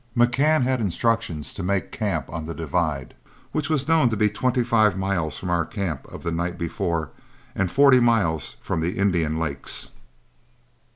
McCann had instructions to make camp on the divide, which was known to be twenty five miles from our camp of the night before, or forty miles from the Indian Lakes.